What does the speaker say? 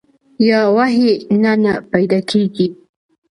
یا وحي نه نۀ پېدا کيږي